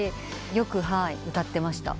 よく歌ってました。